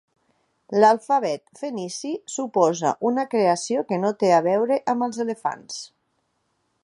L'alfabet fenici suposa una creació que no té a veure amb els elefants.